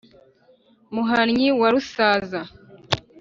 muhanyi wa rusaza,